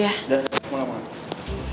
udah aku mau nafkan